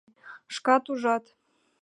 Шкат ужат.